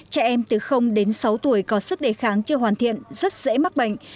trẻ em từ đến sáu tuổi có sức đề kháng chưa hoàn thiện rất dễ mắc bệnh